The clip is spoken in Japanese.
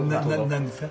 何ですか？